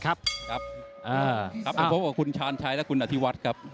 ครับครับอ่าครับพบกับคุณชาญชัยและคุณอธิวัตรครับ